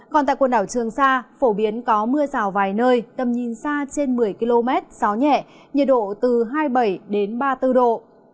còn tại quần đảo trường sa phổ biến có mưa rào vài nơi tầm nhìn xa trên một mươi km gió nhẹ nhiệt độ từ hai mươi bảy ba mươi bốn độ